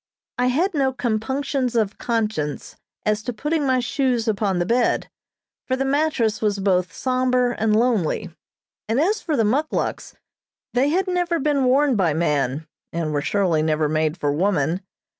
I had no compunctions of conscience as to putting my shoes upon the bed, for the mattress was both sombre and lonely, and as for the muckluks, they had never been worn by man (and were surely never made for woman).